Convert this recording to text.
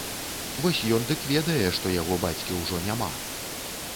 Вось ён дык ведае, што яго бацькі ўжо няма!